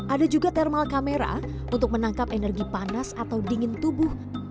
ada juga thermal kamera untuk menangkap energi panas atau dingin tubuh